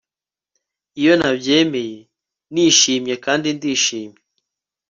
iyo nabyemeye, nishimye kandi ndishimye